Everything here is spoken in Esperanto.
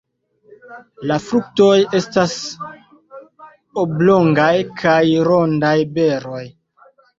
La fruktoj estas oblongaj kaj rondaj beroj.